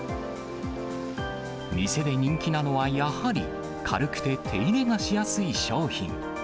店で人気なのはやはり、軽くて手入れがしやすい商品。